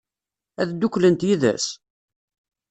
Ad dduklent yid-s?